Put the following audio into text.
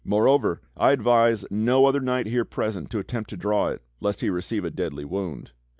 Moreover I advise no other knight here present to attempt to draw it lest he receive a deadly wound."